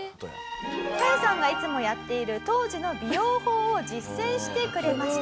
カヨさんがいつもやっている当時の美容法を実践してくれました。